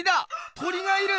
鳥がいる！